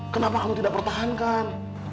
kenapa kamu tidak pertahankan